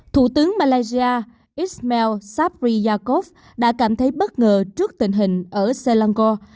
thủ tướng malaysia ismail sabri yaakob đã cảm thấy bất ngờ trước tình hình ở selangor